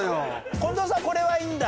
近藤さんこれはいいんだ？